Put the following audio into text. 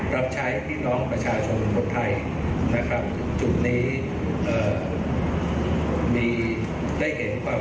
รับใช้พี่น้องประชาชนคนไทยนะครับจุดนี้มีได้เห็นความ